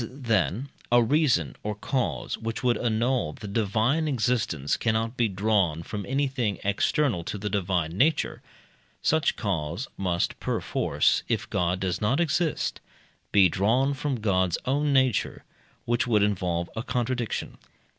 As, then, a reason or cause which would annul the divine existence cannot be drawn from anything external to the divine nature, such cause must perforce, if God does not exist, be drawn from God's own nature, which would involve a contradiction.